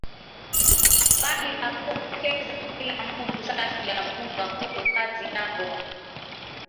Bali bapokeza kila mutu saki ya bunga ku kazi yabo